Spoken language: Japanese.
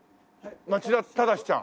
町田正ちゃん。